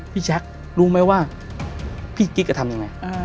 พี่แจ๊ครู้ไหมว่าพี่กิ๊กจะทำยังไง